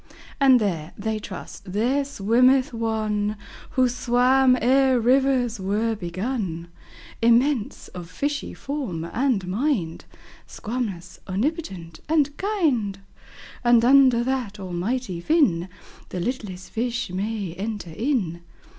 And there (they trust) there swimmeth One Who swam ere rivers were begun, Immense, of fishy form and mind, Squamous, omnipotent, and kind; And under that Almighty Fin, The littlest fish may enter in.